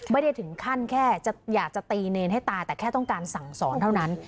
ไม่ได้ถึงขั้นแค่จะอยากจะตีเนรให้ตายแต่แค่ต้องการสั่งสอนเท่านั้น